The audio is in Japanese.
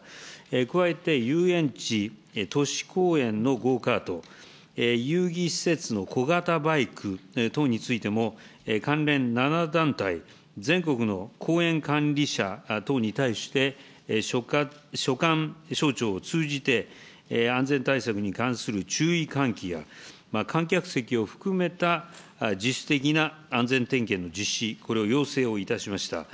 加えて遊園地、都市公園のゴーカート、遊戯施設の小型バイク等についても、関連７団体、全国の公園管理者等に対して、所管省庁を通じて、安全対策に関する注意喚起や、観客席を含めた自主的な安全点検の実施、これを要請をいたしました。